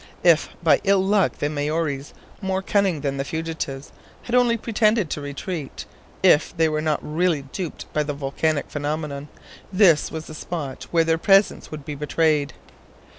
If by ill luck the Maories, more cunning than the fugitives, had only pretended to retreat; if they were not really duped by the volcanic phenomenon, this was the spot where their presence would be betrayed.